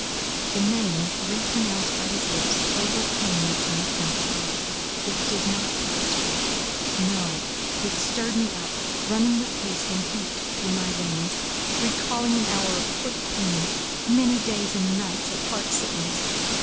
The name re pronounced by his lips overcame me unaccountably. It did not prostrate—no, it stirred me up, running with haste and heat through my veins—recalling an hour of quick pain, many days and nights of heart sickness.